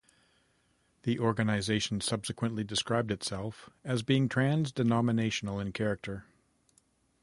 The organization subsequently described itself as being trans-denominational in character.